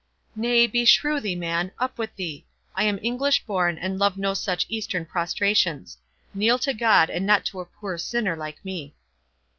"Nay, beshrew thee, man, up with thee! I am English born, and love no such Eastern prostrations—Kneel to God, and not to a poor sinner, like me."